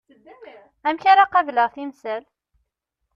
Amek ara qableɣ timsal?